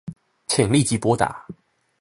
請立即撥打